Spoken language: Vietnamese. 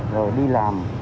rồi đi làm